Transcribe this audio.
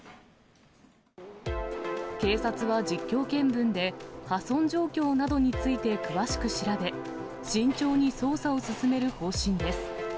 警察は実況見分で、破損状況などについて詳しく調べ、慎重に捜査を進める方針です。